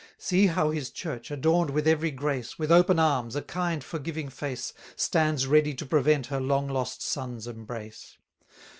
See how his Church, adorn'd with every grace, 639 With open arms, a kind forgiving face, Stands ready to prevent her long lost son's embrace.